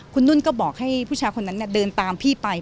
คุณนุ่นก็บอกให้ผู้ชายคนนั้นเดินตามพี่ไป